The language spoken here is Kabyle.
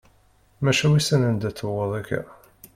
Maca wissen anda tewweḍ akka.